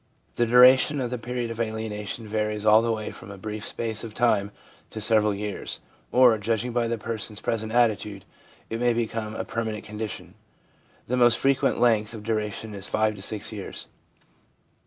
The duration of the period of alienation varies all the way from a brief space of time to several years, or, judging by the person's present attitude, it may become a permanent condition. The most frequent length of duration is 5 to 6 years.